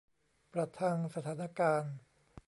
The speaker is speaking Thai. ประทังสถานการณ์